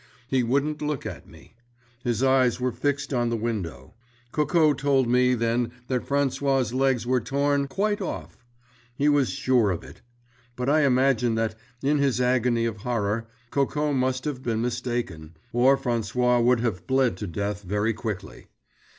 He wouldn't look at me. His eyes were fixed on the window. Coco told me then that François's legs were torn "quite off"—he was sure of it; but I imagine that, in his agony of horror, Coco must have been mistaken, or François would have bled to death very quickly.